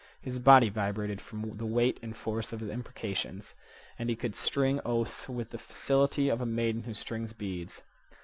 His body vibrated from the weight and force of his imprecations. And he could string oaths with the facility of a maiden who strings beads.